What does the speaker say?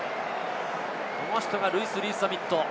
この人がルイス・リース＝ザミット。